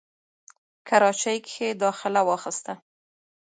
کراچۍ کښې داخله واخسته،